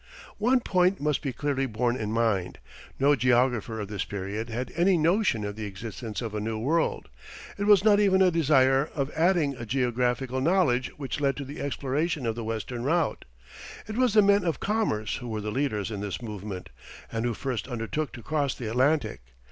One point must be clearly borne in mind, no geographer of this period had any notion of the existence of a new world; it was not even a desire of adding to geographical knowledge which led to the exploration of the western route. It was the men of commerce who were the leaders in this movement, and who first undertook to cross the Atlantic.